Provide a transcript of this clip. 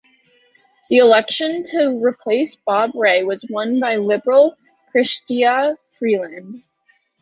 The election to replace Bob Rae was won by Liberal Chrystia Freeland.